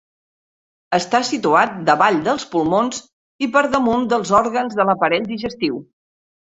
Està situat davall dels pulmons i per damunt dels òrgans de l'aparell digestiu.